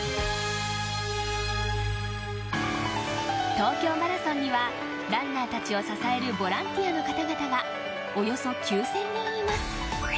東京マラソンにはランナーたちを支えるボランティアの方々がおよそ９０００人います。